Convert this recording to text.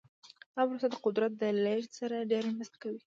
دا پروسه د قدرت د لیږد سره ډیره مرسته کوي.